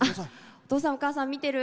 お父さん、お母さん見てる？